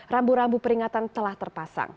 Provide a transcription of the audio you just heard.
rambu rambu peringatan telah terpasang